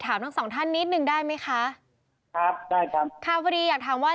ทั้งสองท่านนิดนึงได้ไหมคะครับได้ครับค่ะพอดีอยากถามว่า